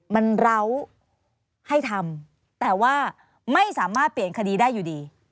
มันเล้าให้ทำแต่ว่าไม่สามารถเปลี่ยนคดีได้อยู่ดี